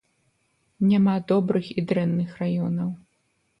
Няма добрых і дрэнных раёнаў.